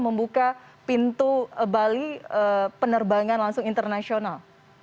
membuka pintu bali penerbangan langsung internasional